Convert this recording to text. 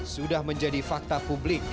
sudah menjadi fakta publik